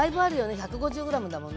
１５０ｇだもんね。